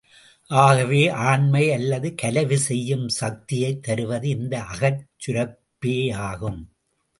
ஆகவே ஆண்மை அல்லது கலவி செய்யும் சக்தியைத் தருவது இந்த அகச் சுரப்பேயாகும்.